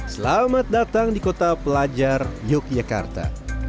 selamat datang di kota pelajar yogyakarta